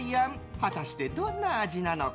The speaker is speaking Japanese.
果たしてどんな味なのか？